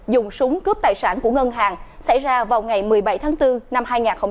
dùng súng cướp tài sản của ngân hàng xảy ra vào ngày một mươi bảy tháng bốn năm hai nghìn hai mươi ba